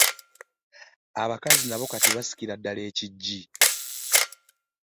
abakazi nabo kati basikira ddala ekiggi.